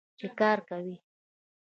چې کار کوي.